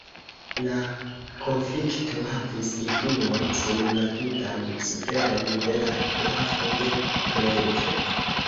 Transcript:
La konflikto havis influon sur la tutan sferon de la grafo de Kleve.